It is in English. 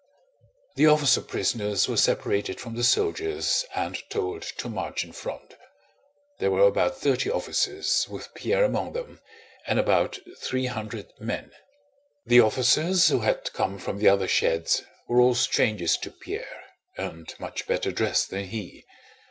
The officer prisoners were separated from the soldiers and told to march in front. There were about thirty officers, with Pierre among them, and about three hundred men. The officers, who had come from the other sheds, were all strangers to Pierre and much better dressed than he.